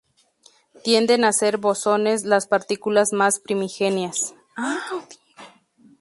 Tienden a ser bosones las partículas más primigenias.